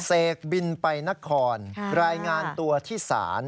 เสกบินไปนครรายงานตัวที่ศาล